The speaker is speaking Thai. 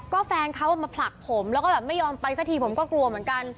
ก็แฟนเขามาผลักผมแล้วก็แบบไม่ยอมไปสักทีผมก็กลัวเหมือนกัน